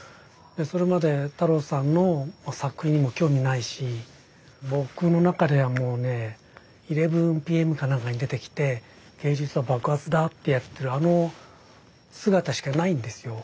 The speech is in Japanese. それまで太郎さんの作品にも興味ないし僕の中ではもうね「１１ＰＭ」か何かに出てきて「芸術は爆発だ」ってやってるあの姿しかないんですよ。